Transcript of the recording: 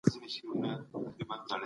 د سمو خلکو انتخاب د بریا کیلي ده.